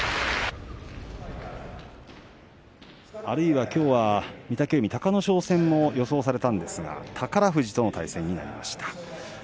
あるいは、きょうは御嶽海、隆の勝戦も予想されたんですが宝富士との対戦になりました。